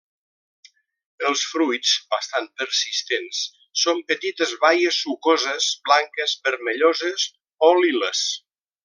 Els fruits, bastant persistents, són petites baies sucoses, blanques, vermelloses o liles.